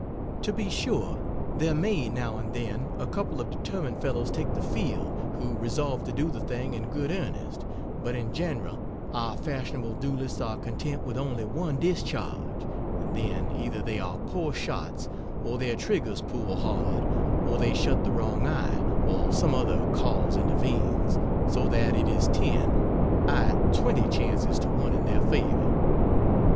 . To be sure, there may now and then a couple of determined fellows take the field, who re solve to do the thing in good earnest; but, in general, our fashionable duellists are con tent with only one discharge; and then, ei ther they are poor shots, or their triggers pull hard, or they shut the wrong eye, or some other cause intervenes, so that it is ten, ay, twenty chances to one in their favour.